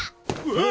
うわ！